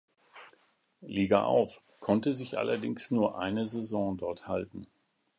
Liga auf, konnte sich allerdings nur eine Saison dort halten.